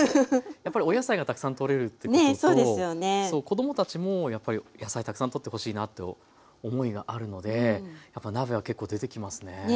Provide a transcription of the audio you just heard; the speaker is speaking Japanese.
やっぱりお野菜がたくさんとれるってことと子供たちもやっぱり野菜たくさんとってほしいなと思いがあるのでやっぱ鍋は結構出てきますね。